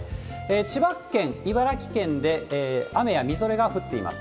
千葉県、茨城県で雨やみぞれが降っています。